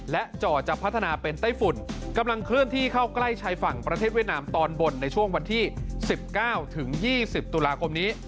และเจาะจะพัฒนาเป็นไต้ฝุ่นกำลังเคลื่อนที่เข้าใกล้ชายฝั่งประเทศเวียดนามตอนบนในช่วงวันที่๑๙ถึง๒๐ตุลาคมนี้